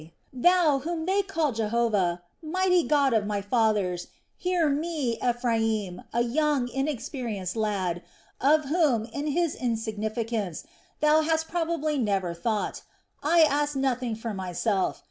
Thou, whom they call Jehovah, mighty God of my fathers, hear me, Ephraim, a young inexperienced lad, of whom, in his insignificance, Thou hast probably never thought. I ask nothing for myself.